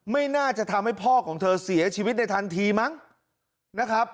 ไม่น่าจะทำให้พ่อของเธอเสียชีวิตในทันทีมั้งนะครับ